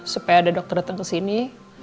supaya ada dokter datang ke sini